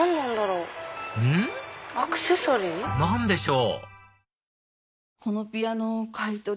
うん？何でしょう？